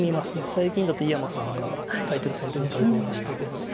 最近だと井山さんがタイトル戦で打たれてましたけど。